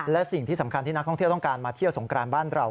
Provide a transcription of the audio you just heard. และสิ่งที่สำคัญที่นักท่องเที่ยวต้องการมาเที่ยวสงกรานบ้านเรา